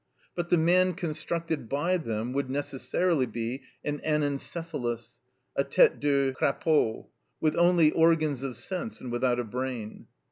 But the man constructed by them would necessarily be an Anencephalus, a Tête de crapaud, with only organs of sense and without a brain.